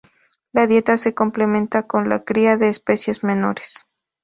La dieta se complementa con la cría de especies menores.